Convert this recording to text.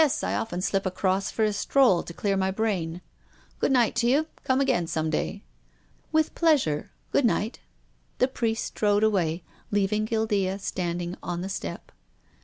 I often slip across for a stroll to clear my brain. Good night to you. Come again some day." " With pleasure. Good night." The Priest strode away, leaving Guildea stand ing on the step.